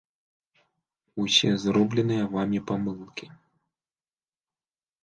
Усе зробленыя вамі памылкі?